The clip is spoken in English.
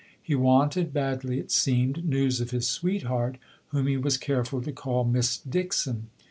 He wanted, badly it seemed, news of his sweetheart, whom he was careful to call Miss Dixon.